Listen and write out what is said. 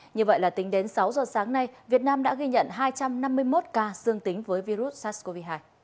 như vậy là tính đến sáu giờ sáng nay việt nam đã ghi nhận hai trăm năm mươi một ca dương tính với virus sars cov hai